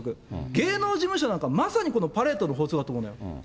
芸能事務所なんかまさにこのパレートの法則だと思うのよ。